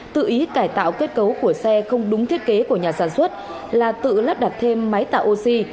tự ý cải tạo kết cấu của xe không đúng thiết kế của nhà sản xuất là tự lắp đặt thêm máy tạo oxy